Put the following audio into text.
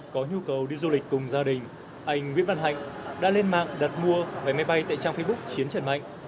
có nhu cầu đi du lịch cùng gia đình anh nguyễn văn hạnh đã lên mạng đặt mua vài máy bay tại trang facebook chiến trần mạnh